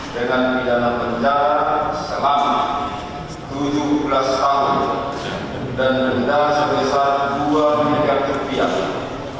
dengan pidana penjara selama tujuh belas tahun dan denda sebesar dua miliar rupiah